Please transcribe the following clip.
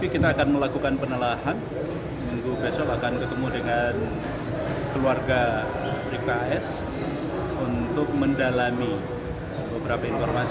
kita akan melakukan kunjungan ke tkp